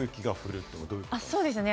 そうですね。